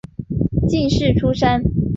进士出身。